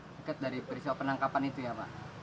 deket dari peristiwa penangkapan itu ya pak